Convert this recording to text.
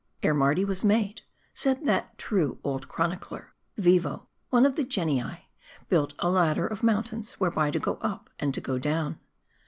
" Ere Mardi was made," said that true old chronicler, " Vivo, one of the genii, built a ladder of mountains whereby to go up and go tlown.